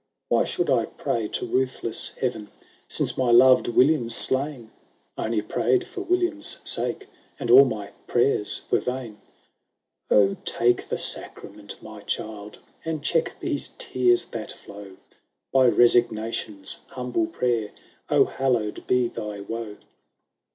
xv " Why should I pray to ruthless Heaven, Since my loved William 's slain ? I only prayed for William's sake, And all my prayers were vain." XVI " O take the sacrament, my child, And check these tears that flow ; By resignation's humble prayer, O hallowed be thy woe